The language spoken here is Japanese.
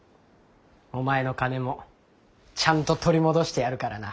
お前の金もちゃんと取り戻してやるからな。